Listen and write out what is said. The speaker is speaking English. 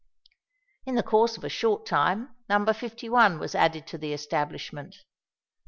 In the course of a short time No. 51 was added to the establishment; and No.